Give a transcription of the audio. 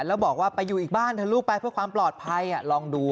แล้วบอกว่าไปอยู่อีกบ้านเถอะลูกไปเพื่อความปลอดภัยลองดู